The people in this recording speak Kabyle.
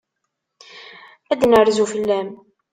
Ad d-nerzu fell-am.